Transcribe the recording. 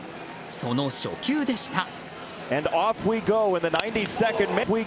その初球でした。